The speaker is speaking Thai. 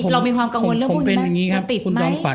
เรามีความกังวลเรื่องคู่ดีมั้ย